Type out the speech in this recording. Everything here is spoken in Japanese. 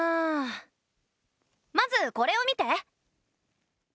まずこれを見て。